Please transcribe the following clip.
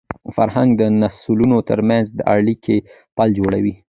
فرهنګ د نسلونو تر منځ د اړیکي پُل جوړوي.